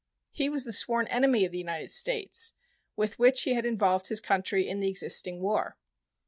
He was the sworn enemy of the United States, with which he had involved his country in the existing war.